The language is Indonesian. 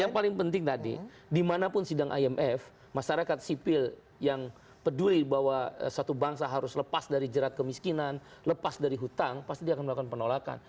yang paling penting tadi dimanapun sidang imf masyarakat sipil yang peduli bahwa satu bangsa harus lepas dari jerat kemiskinan lepas dari hutang pasti dia akan melakukan penolakan